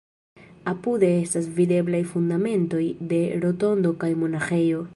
Apude estas videblaj fundamentoj de rotondo kaj monaĥejo.